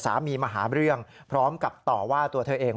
มาหาเรื่องพร้อมกับต่อว่าตัวเธอเอง